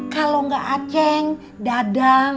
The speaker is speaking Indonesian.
kalau enggak aceng dadang